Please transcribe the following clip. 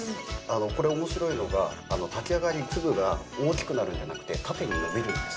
これ面白いのが炊き上がりに粒が大きくなるんじゃなくて縦に伸びるんです。